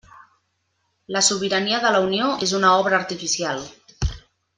La sobirania de la Unió és una obra artificial.